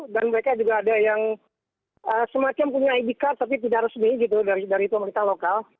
dan mereka juga ada yang semacam punya id card tapi tidak resmi dari pemerintah lokal